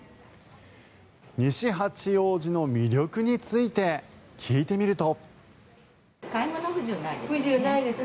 西八王子の魅力について聞いてみると。